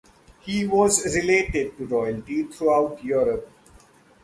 He was related to royalty throughout Europe.